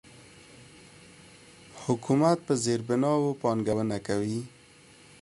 حکومت په زیربناوو پانګونه کوي.